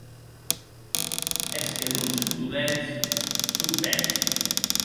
E es que non son dolents, son pècs.